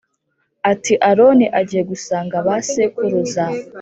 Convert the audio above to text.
ati Aroni agiye gusanga ba sekuruza